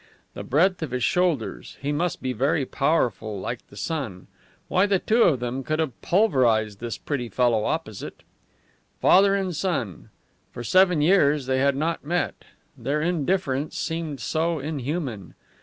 The breadth of his shoulders! He must be very powerful, like the son. Why, the two of them could have pulverized this pretty fellow opposite! Father and son! For seven years they had not met. Their indifference seemed so inhuman!